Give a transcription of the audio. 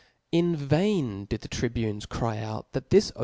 In; vain did the tribunes cry out that Book 3.